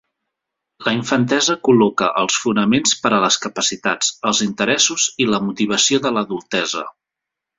La infantesa col·loca els fonaments per a les capacitats, els interessos i la motivació de l'adultesa.